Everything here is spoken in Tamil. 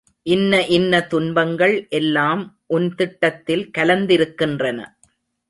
இன்ன இன்ன துன்பங்கள் எல்லாம் உன் திட்டத்தில் கலந்திருக்கின்றன.